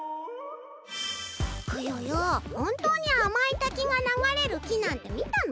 クヨヨほんとうに甘い滝が流れる木なんてみたの？